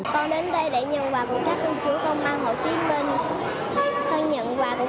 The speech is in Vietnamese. con đến đây để nhận quà của các cô chú công an hồ chí minh